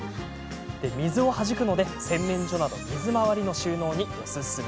水をはじくので、洗面所など水回りの収納におすすめ。